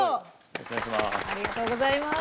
よろしくお願いします。